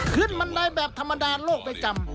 ขึ้นมันได้แบบธรรมดาโลกในจำ